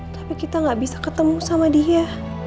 tapi kita gak bisa ketemu sama dia